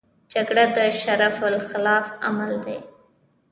جګړه د شرف خلاف عمل دی